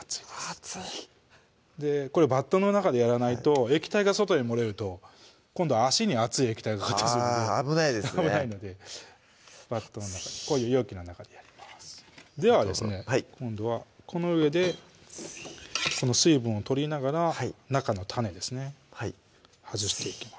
熱いこれバットの中でやらないと液体が外に漏れると今度は足に熱い液体があぁ危ないですね危ないのでバットの中でこういう容器の中でやりますではですね今度はこの上でこの水分を取りながら中の種ですね外していきます